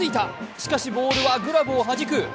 しかしボールはグラブをはじく。